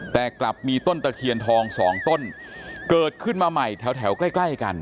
แต่กลับมีต้นตะเคียนทองสองต้นเกิดขึ้นมาใหม่แถวแถวใกล้ใกล้กัน